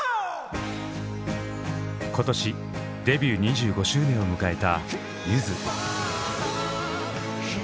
今年デビュー２５周年を迎えたゆず。